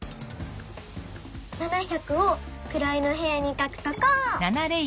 「７００」をくらいのへやにかくとこう！